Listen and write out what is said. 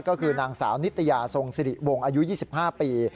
ก็คือนางสาวนิตยาทรงสิริวงศ์อายุ๒๕ปี